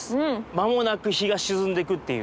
間もなく日が沈んでいくっていう。